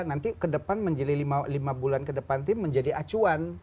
nanti ke depan menjadi lima bulan ke depan itu menjadi acuan